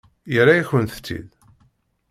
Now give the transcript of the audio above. Yerra-yakent-tt-id.